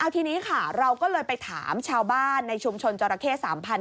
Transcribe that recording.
ทีนี้ค่ะเราก็เลยไปถามชาวบ้านในชุมชนจรเคศสามพันธุ์